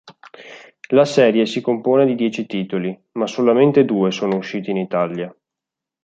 La serie si compone di dieci titoli, ma solamente due sono usciti in Italia.